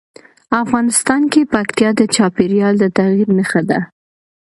افغانستان کې پکتیا د چاپېریال د تغیر نښه ده.